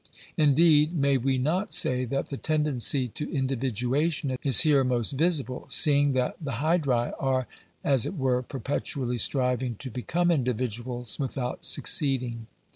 Indeed, may we not say that the " tendency to individuation" is here most visible; seeing that the Hydra are, as it were, perpetually striving to become indi viduals, without succeeding?